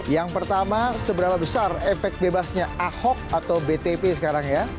yang pertama seberapa besar efek bebasnya ahok atau btp sekarang ya